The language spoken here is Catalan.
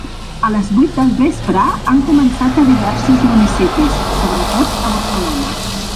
A les vuit del vespre han començat a diversos municipis, sobretot a Barcelona.